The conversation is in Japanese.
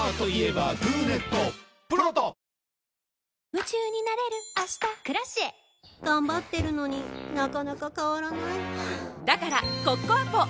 夢中になれる明日「Ｋｒａｃｉｅ」頑張ってるのになかなか変わらないはぁだからコッコアポ！